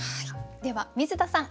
では水田さん